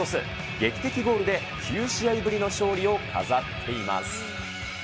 劇的ゴールで９試合ぶりの勝利を飾っています。